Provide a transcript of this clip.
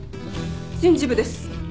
人事部です。